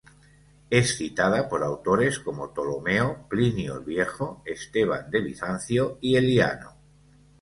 Es citada por autores como Ptolomeo, Plinio el Viejo, Esteban de Bizancio y Eliano.